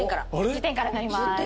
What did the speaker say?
１０点からになります。